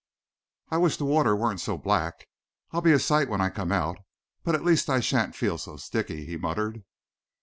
"I wish the water weren't so black. I'll be a sight when I come out, but at least I shan't feel so sticky," he muttered.